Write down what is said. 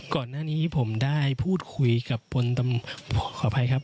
ก่อนหน้านี้ผมได้พูดคุยกับพลตำรวจขออภัยครับ